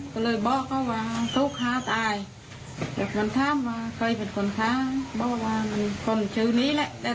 ก็เลยบอกเขาว่าทฤษฐาตายแล้วคุณถามว่าไปต่อภูมิคุณฆ่าเขาก็บอกว่ามีคนชื่อนี้แหละ